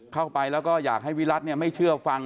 เข้าไปแล้วก็อยากให้วิรัติไม่เชื่อฟัง